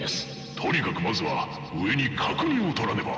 とにかくまずは上に確認をとらねば。